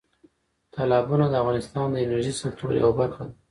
تالابونه د افغانستان د انرژۍ سکتور یوه برخه ده.